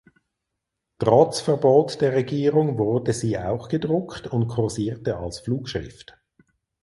Trotz Verbot der Regierung wurde sie auch gedruckt und kursierte als Flugschrift.